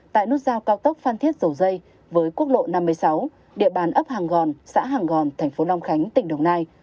tại nút giao cao tốc phan thiết dầu dây với quốc lộ năm mươi sáu địa bàn ấp hàng gòn xã hàng gòn thành phố long khánh tỉnh đồng nai